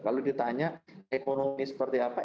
kalau ditanya ekonomi seperti apa